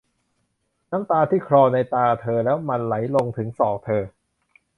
น้ำตาที่คลออยู่ในตาเธอและมันไหลลงถึงศอกเธอ